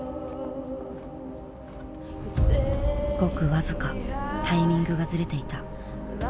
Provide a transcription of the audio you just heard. ごく僅かタイミングがズレていた。